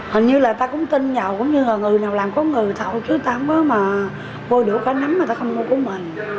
hình như là ta cũng tin vào cũng như là người nào làm có người thậu chứ ta không có mà vô đủ cá nấm mà ta không mua của mình